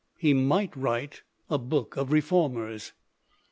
He might write a Book of Reformers.